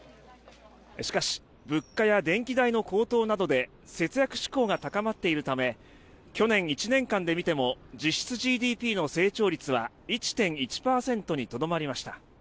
しかし物価や電気代の高騰などで節約志向が高まっているため去年１年間で見ても実質ＧＤＰの成長率は１．１％にとどまりました。